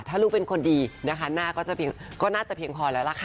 ถ้าลูกเป็นคนดีนะคะหน้าก็น่าจะเพียงพอแล้วล่ะค่ะ